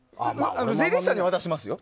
税理士さんには渡してますよ。